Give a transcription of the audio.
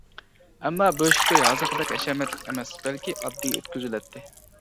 ئەمما بۆشۈك توي ھازىرقىدەك ھەشەمەتلىك ئەمەس، بەلكى ئاددىي ئۆتكۈزۈلەتتى.